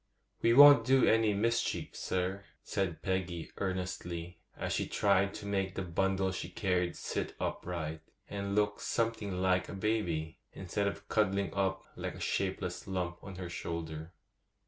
'We won't do any mischief, sir,' said Peggy earnestly, as she tried to make the bundle she carried sit upright, and look something like a baby, instead of cuddling up like a shapeless lump on her shoulder.